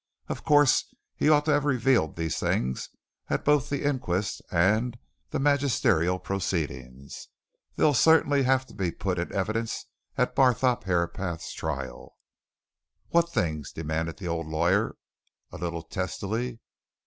Of course, he ought to have revealed these things at both the inquest and the magisterial proceedings! they'll certainly have to be put in evidence at Barthorpe Herapath's trial." "What things?" demanded the old lawyer, a little testily.